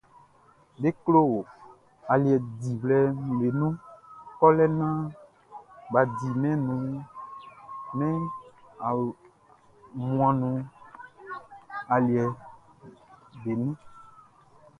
Be klo aliɛ diwlɛʼm be nun kɔlɛ naan bʼa di mɛn wunmuanʼn nun aliɛʼm be nun.